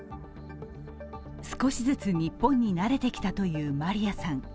少しずつ日本に慣れてきたというマリアさん。